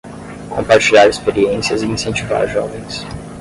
Compartilhar experiências e incentivar jovens